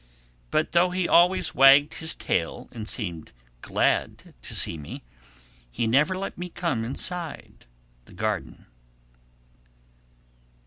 But though he always wagged his tail and seemed glad to see me, he never let me come inside the garden.